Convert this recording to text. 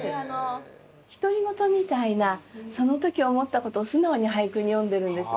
独り言みたいなその時思ったことを素直に俳句に詠んでるんです。